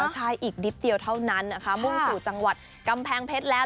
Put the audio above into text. ใช่อีกนิดเดียวเท่านั้นนะคะมุ่งสู่จังหวัดกำแพงเพชรแล้ว